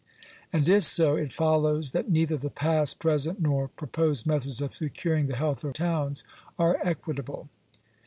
278) ; and if so, it follows that neither the past, present, nor proposed methods of securing the health of towns are equitable.